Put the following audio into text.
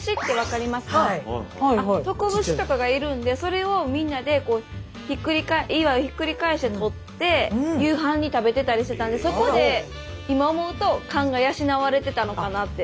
トコブシとかがいるんでそれをみんなで岩をひっくり返してとって夕飯に食べたりしてたんでそこで今思うと勘が養われてたのかなって。